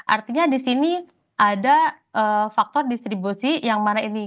artinya di sini ada faktor distribusi yang mana ini